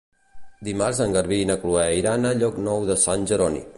Dimarts en Garbí i na Chloé iran a Llocnou de Sant Jeroni.